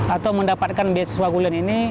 atau mendapatkan beasiswa kulit ini